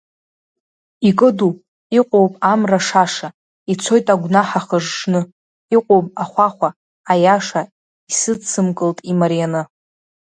Икыдуп, иҟоуп амра шаша, ицоит агәнаҳа хыжжны, иҟоуп ахәахәа, аиаша Исыдсымкылт имарианы!